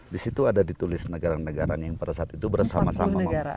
di situ ada ditulis negara negara yang pada saat itu bersama sama